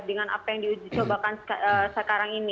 dengan apa yang dicobakan sekarang ini